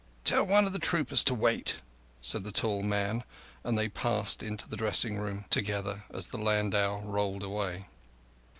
"Tell one of the troopers to wait," said the tall man, and they both passed into the dressing room together as the landau rolled away.